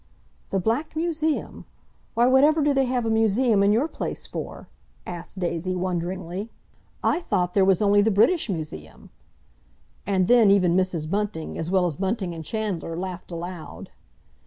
"The Black Museum? Why, whatever do they have a museum in your place for?" asked Daisy wonderingly. "I thought there was only the British Museum—" And then even Mrs. Bunting, as well as Bunting and Chandler, laughed aloud.